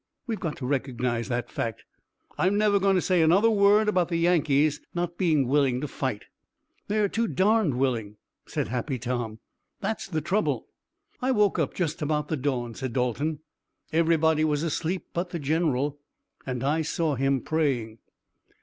"We've got to recognize that fact. I'm never going to say another word about the Yankees not being willing to fight." "They're too darned willing," said Happy Tom. "That's the trouble." "I woke up just about the dawn," said Dalton. "Everybody was asleep, but the general, and I saw him praying."